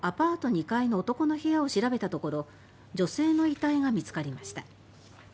２階の男の部屋を調べたところ女性の遺体が見つかりました。